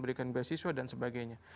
dikambil beasiswa dan sebagainya